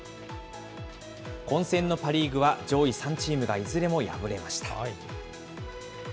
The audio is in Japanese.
混戦のパ・リーグは上位３チームがいずれも敗れました。